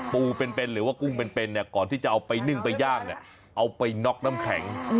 ปูเป็นหรือว่ากุ้งเป็นเนี่ยก่อนที่จะเอาไปนึ่งไปย่างเนี่ยเอาไปน็อกน้ำแข็ง